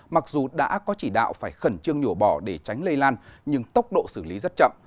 mặc dù đã có chỉ đạo phải khẩn trương nhổ bỏ để tránh lây lan nhưng tốc độ xử lý rất chậm